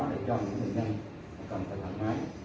để cho những bệnh nhân cần thẩm máy